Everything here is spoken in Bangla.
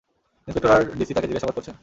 ইন্সপেক্টর আর ডিসি তাকে জিজ্ঞাসাবাদ করছেন।